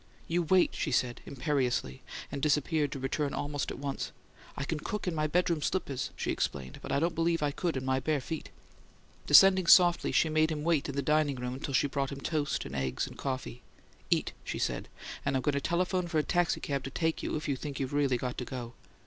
"You wait!" she said, imperiously, and disappeared to return almost at once. "I can cook in my bedroom slippers," she explained, "but I don't believe I could in my bare feet!" Descending softly, she made him wait in the dining room until she brought him toast and eggs and coffee. "Eat!" she said. "And I'm going to telephone for a taxicab to take you, if you think you've really got to go."